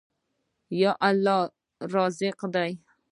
آیا الله رزاق دی؟